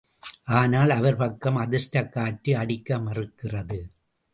ஆனால் அவர் பக்கம் அதிர்ஷ்டக் காற்று அடிக்க மறுக்கிறது.